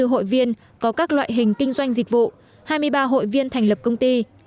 hai trăm ba mươi bốn hội viên có các loại hình kinh doanh dịch vụ hai mươi ba hội viên thành lập công ty